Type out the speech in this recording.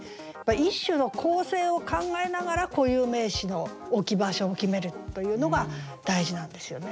一首の構成を考えながら固有名詞の置き場所を決めるというのが大事なんですよね。